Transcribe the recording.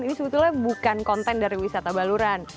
ini sebetulnya bukan konten dari wisata baluran